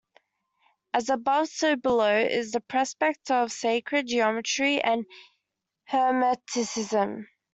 As above, so below is the precept of sacred geometry and Hermeticism.